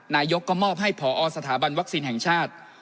นายกก็มอบให้ผอสถาบันวัคซีนแห่งชาติ